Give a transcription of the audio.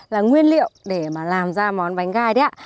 là nguyên liệu để mà làm ra món bánh gai đấy ạ